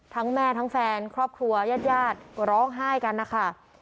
ทั้งแม่ทั้งแฟนครอบครัวญาติญาติร้องไห้กันนะคะ